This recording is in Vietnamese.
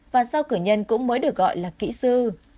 và sau cử nhân cũng mới được gọi là kỹ sư